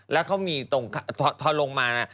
แล้วเขามีตรงพอลงมานะ